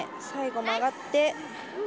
最後、曲がって。